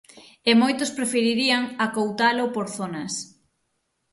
E moitos preferirían acoutalo por zonas.